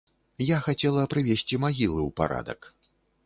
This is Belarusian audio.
Я хацела прывесці магілы ў парадак.